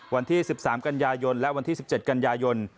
วันที่๑๓กันยายนและวันที่๑๗กันยายน